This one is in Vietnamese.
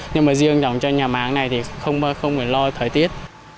nhưng mà riêng dòng cho nhà máng này thì không phải lo thời tiết